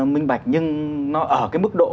minh bạch nhưng nó ở cái mức độ